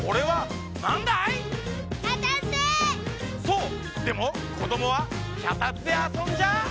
そうでもこどもはきゃたつであそんじゃ。